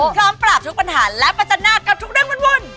พร้อมประาบทุกปัญหาและปัจจนากับทุกเรื่องวน